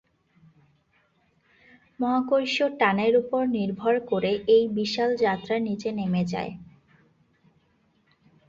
মহাকর্ষীয় টানের উপর নির্ভর করে এই বিশাল যাত্রা নিচে নেমে যায়।